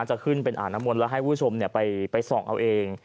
จะขึ้นเป็นอ่างน้ำมนต์แล้วให้คุณผู้ชมไปส่องเอาเอง